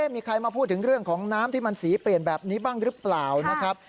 มีใครมาพูดถึงเรื่องของน้ำที่มันสีเปลี่ยนแบบนี้บ้างหรือเปล่านะครับ